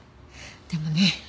でもね